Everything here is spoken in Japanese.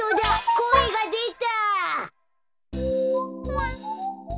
こえがでた。